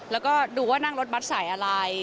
แล้วก็ดูว่านั่งรถบัตรสายอะไร